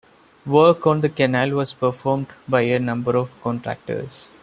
Work on the canal was performed by a number of contractors.